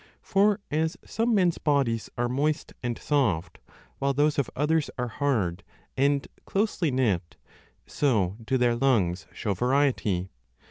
For as some men s bodies are moist and soft, while those of others are hard and closely knit, so do their lungs show 15 variety.